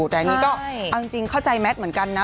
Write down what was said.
แต่อันนี้ก็เอาจริงเข้าใจแมทเหมือนกันนะ